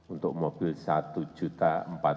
untuk mobil satu juta